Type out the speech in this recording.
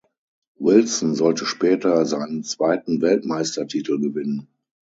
Wilson sollte später seinen zweiten Weltmeistertitel gewinnen.